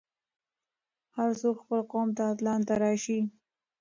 هر څوک خپل قوم ته اتلان تراشي.